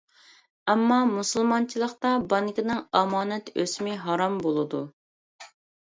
ئەمما مۇسۇلمانچىلىقتا بانكىنىڭ ئامانەت ئۆسۈمى ھارام بولىدۇ.